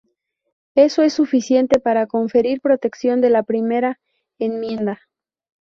Eso es suficiente para conferir protección de la Primera Enmienda".